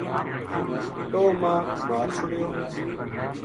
ٹوہ ما مار چھڑیو